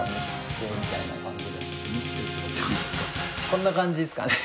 こんな感じですかね？